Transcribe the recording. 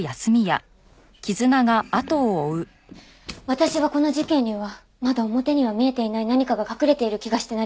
私はこの事件にはまだ表には見えていない何かが隠れている気がしてなりません。